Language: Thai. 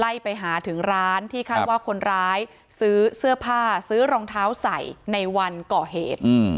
ไปหาถึงร้านที่คาดว่าคนร้ายซื้อเสื้อผ้าซื้อรองเท้าใส่ในวันก่อเหตุ